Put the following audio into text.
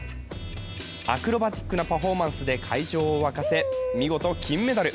アクロバティックなパフォーマンスで会場を沸かせ見事金メダル。